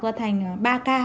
học ra thành ba ca